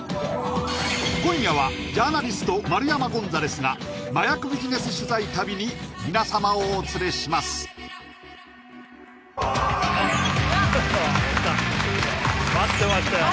今夜はジャーナリスト丸山ゴンザレスが麻薬ビジネス取材旅に皆様をお連れしますあっわっ待ってましたよ